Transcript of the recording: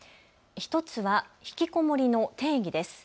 １つは、ひきこもりの定義です。